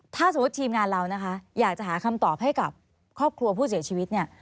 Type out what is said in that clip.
ถ้าสมมุติทีมงานเรานะคะอยากจะหาคำตอบให้กับครอบครัวผู้เสียชีวิตเนี่ย